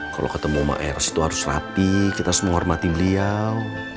kalau ketemu emak eras itu harus rapi kita harus menghormati beliau